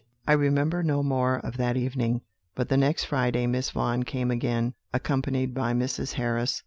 "I remember no more of that evening; but the next Friday Miss Vaughan came again, accompanied by Mrs. Harris.